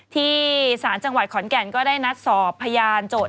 ที่ศาลจังหวัดขอนแก่นก็ได้นัดสอบพยานโจทย